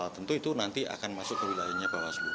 tentu itu nanti akan masuk ke wilayahnya bawaslu